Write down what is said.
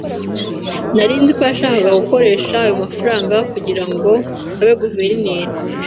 Nari nzi ko yashakaga gukoresha ayo mafaranga kugirango abe guverineri.